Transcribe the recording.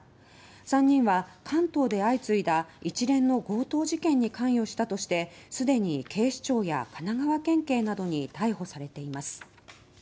３人は、関東で相次いだ一連の強盗事件に関与したとして既に警視庁や神奈川県警などに逮捕されています。